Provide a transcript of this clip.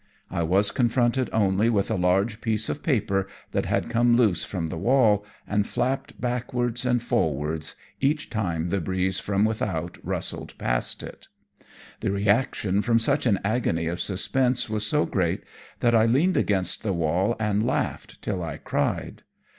I was confronted only with a large piece of paper that had come loose from the wall, and flapped backwards and forwards each time the breeze from without rustled past it. The reaction after such an agony of suspense was so great, that I leaned against the wall, and laughed till I cried.